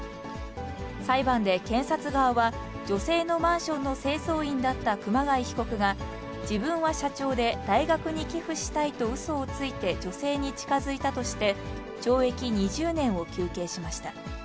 裁判で検察側は、女性のマンションの清掃員だった熊谷被告が、自分は社長で大学に寄付したいとうそをついて女性に近づいたとして、懲役２０年を求刑しました。